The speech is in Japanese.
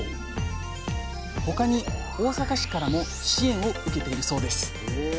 他に大阪市からも支援を受けているそうです。